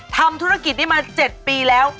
ทำธุรกิจนี้มา๗ปีแล้ว